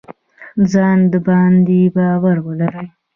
ځان باندې باور ولرئ